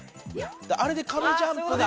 あれで壁ジャンプで。